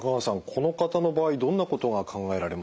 この方の場合どんなことが考えられますか？